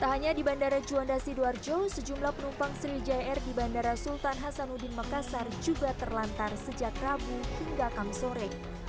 tak hanya di bandara juanda sidoarjo sejumlah penumpang sriwijaya air di bandara sultan hasanuddin makassar juga terlantar sejak rabu hingga kamis sore